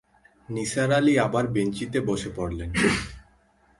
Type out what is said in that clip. নিসার আলি আবার বেঞ্চিতে বসে পড়লেন।